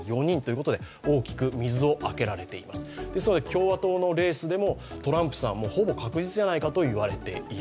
共和党のレースでもトランプさんはほぼ確実じゃないかと言われている。